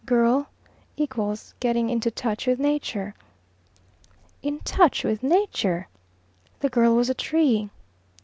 Girl = getting into touch with Nature." In touch with Nature! The girl was a tree!